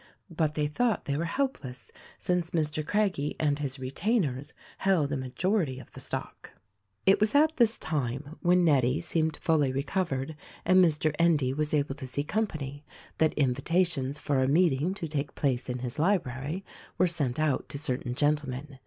But they thought they were help less since Mr. Craggie and his retainers held a majority of the stock. It was at this time, when Nettie seemed fully recovered and Mr. Endy was able to see company, that invitations for a meeting to take place in his library were sent out to cer tain gentlemen.